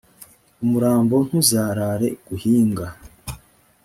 umurambo ntuzarare guhinga